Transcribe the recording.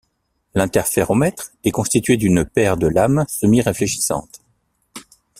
L'interféromètre est constitué d'une paire de lames semi-réfléchissantes.